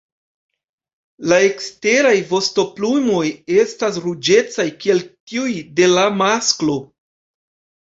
La eksteraj vostoplumoj estas ruĝecaj kiel tiuj de la masklo.